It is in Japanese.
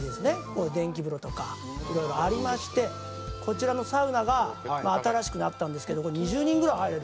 こういう電気風呂とかいろいろありましてこちらのサウナが新しくなったんですけどこれ２０人ぐらい入れる」